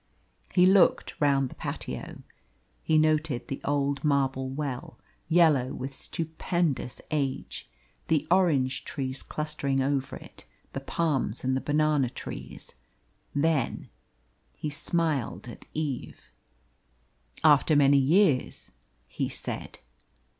He looked round the patio. He noted the old marble well, yellow with stupendous age, the orange trees clustering over it, the palms and the banana trees, then he smiled at Eve. "After many years," he said.